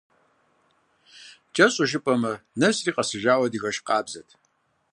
КӀэщӀу жыпӀэмэ, нэсри къэсыжауэ адыгэш къабзэт.